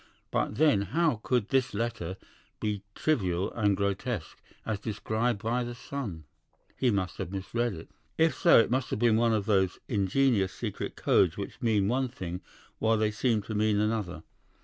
But then how could this letter be trivial and grotesque, as described by the son? He must have misread it. If so, it must have been one of those ingenious secret codes which mean one thing while they seem to mean another.